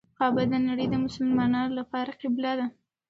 کعبه د نړۍ د مسلمانانو لپاره قبله ده.